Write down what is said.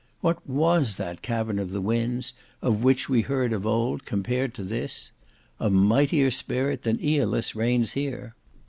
What was that cavern of the winds, of which we heard of old, compared to this? A mightier spirit than Aeolus reigns here.